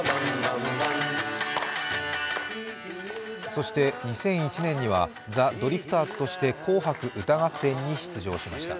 そして２００１年にはザ・ドリフターズとして「紅白歌合戦」に出場しました。